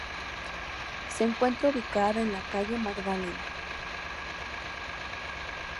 Se encuentra ubicada en la Calle Magdalena.